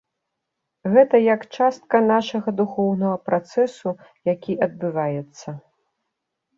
Гэта як частка нашага духоўнага працэсу, які адбываецца.